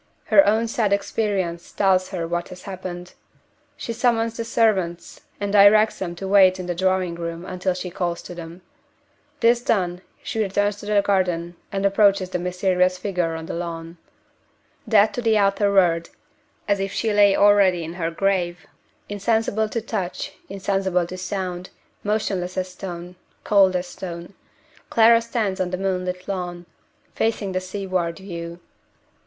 Her own sad experience tells her what has happened. She summons the servants and directs them to wait in the drawing room until she calls to them. This done, she returns to the garden, and approaches the mysterious figure on the lawn. Dead to the outer world, as if she lay already in her grave insensible to touch, insensible to sound, motionless as stone, cold as stone Clara stands on the moonlit lawn, facing the seaward view.